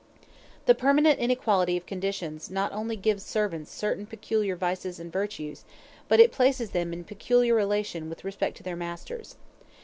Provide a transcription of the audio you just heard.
] The permanent inequality of conditions not only gives servants certain peculiar virtues and vices, but it places them in a peculiar relation with respect to their masters.